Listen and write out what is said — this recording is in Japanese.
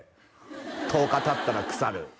「１０日たったら腐る」